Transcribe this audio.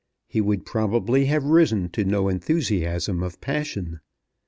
He would probably have risen to no enthusiasm of passion.